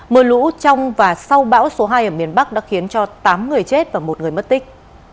mưa lũ trong và sau bão số hai ở miền bắc đã khiến cho tám người chết và một người mất tích